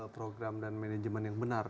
program dan manajemen yang benar